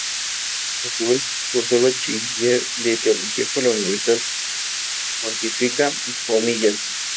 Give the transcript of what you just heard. A su vez cursó el bachiller de Teología por la Universidad Pontificia Comillas.